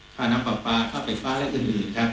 ข้าน้ำผัวปลาข้าวเป็กปลาและอื่น